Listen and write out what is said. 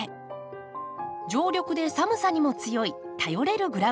常緑で寒さにも強い頼れるグラウンドカバーです。